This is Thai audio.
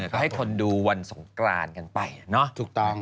ก็ให้คนดูวันสงกรานกันไปเนอะถูกต้อง